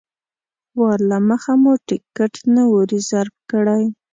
وار له مخه مو ټکټ نه و ریزرف کړی.